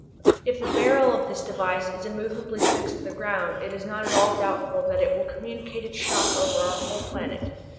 If the barrel of this device is immovably fixed to the ground it is not at all doubtful that it will communicate its shock over our whole planet.